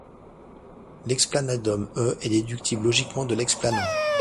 L’explanandum E est déductible logiquement de l’explanans.